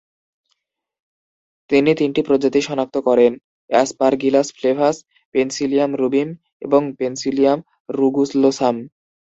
তিনি তিনটি প্রজাতি শনাক্ত করেন - অ্যাসপারগিলাস ফ্লেভাস, পেনিসিলিয়াম রুবিম এবং পেনিসিলিয়াম রুগুলোসাম।